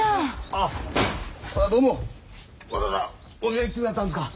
あっこれはどうもわざわざお見舞いに来てくださったんですか。